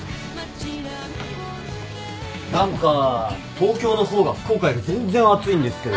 何か東京の方が福岡より全然暑いんですけど。